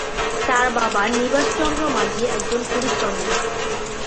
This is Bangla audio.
তার বাবা নিবাস চন্দ্র মাঝি একজন পুলিশ কর্মকর্তা।